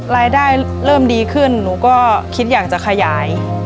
รายได้เริ่มดีขึ้นหนูก็คิดอยากจะขยาย